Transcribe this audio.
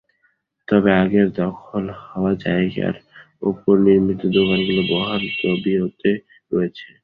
তবে আগের দখল হওয়া জায়গার ওপর নির্মিত দোকানগুলো বহাল তবিয়তে রয়েছে।